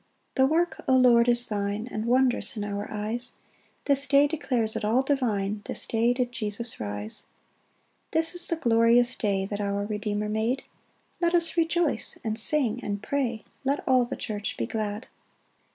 3 The work, O Lord, is thine, And wondrous in our eyes; This day declares it all divine, This day did Jesus rise. 4 This is the glorious day That our Redeemer made; Let us rejoice, and sing, and pray, Let all the church be glad.